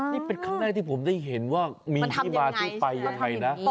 นี่เป็นครั้งแรกที่ผมได้เห็นว่ามีที่มาที่ไปยังไงนะ